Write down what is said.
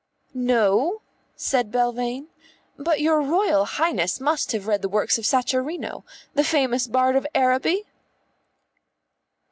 "No?" said Belvane. "But your Royal Highness must have read the works of Sacharino, the famous bard of Araby?"